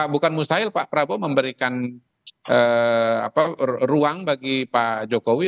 bukan mustahil pak prabowo memberikan ruang bagi pak jokowi